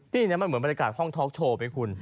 นี่มันเหมือนบรรยากาศห้องท็อกโชว์ไปคุณ